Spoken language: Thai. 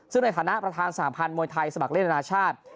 ซึ่งในฐานะประธานสหพันธ์มวยไทยสมัครเล่นนานาชาติ